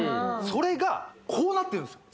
それがこうなってんですよ